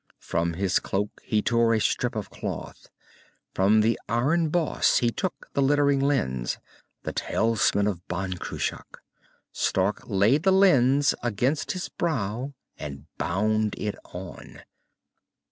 From his cloak he tore a strip of cloth. From the iron boss he took the glittering lens, the talisman of Ban Cruach. Stark laid the lens against his brow, and bound it on.